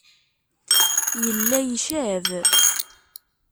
Yella icab.